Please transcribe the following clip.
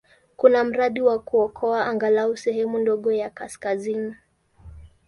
Kuna mradi wa kuokoa angalau sehemu ndogo ya kaskazini.